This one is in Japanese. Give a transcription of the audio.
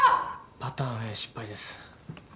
パターンＡ失敗です。